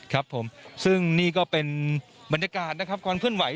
ครับผมซึ่งนี่ก็เป็นบรรยากาศนะครับความเคลื่อนไห